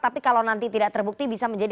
tapi kalau nanti tidak terbukti bisa menjadi